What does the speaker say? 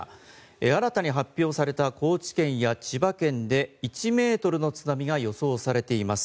新たに発表された高知県や千葉県で１ｍの津波が予想されています。